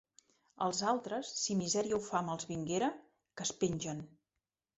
Els altres, si misèria o fam els vinguera, que es pengen!